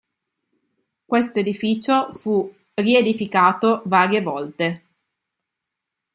Questo edificio tu riedificato varie volte.